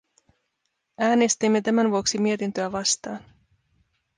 Äänestimme tämän vuoksi mietintöä vastaan.